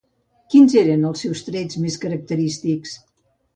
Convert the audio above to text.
Quins eren els seus trets més característics?